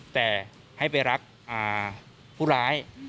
แต่ให้ไปรักผู้ร้าย